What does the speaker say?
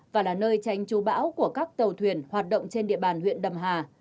và là nơi tránh chú bão của các tàu thuyền hoạt động trên địa bàn huyện đầm hà